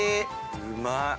うまっ。